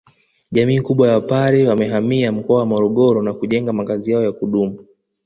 Jamii kubwa ya wapare wamehamia mkoa wa Morogoro na kujenga makazi yao yakudumu